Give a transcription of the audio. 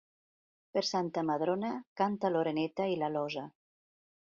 Per Santa Madrona canta l'oreneta i l'alosa.